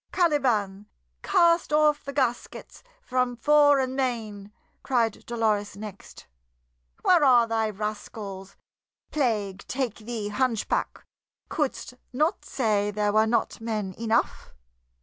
"Caliban, cast off the gaskets from fore and main!" cried Dolores next. "Where are thy rascals? Plague take thee, hunchback! Couldst not say there were not men enough?